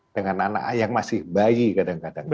dengan anak yang masih bayi kadang kadang